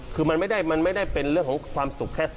คือมันไม่ได้เป็นเรื่องของความสุข